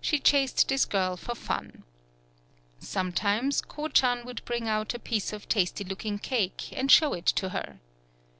She chased this girl for fun. Some times, Ko chan would bring out a piece of tasty looking cake and show it to her.